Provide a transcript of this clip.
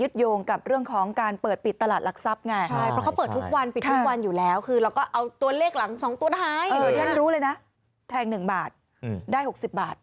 แทงหนึ่งบาทได้หกสิบบาท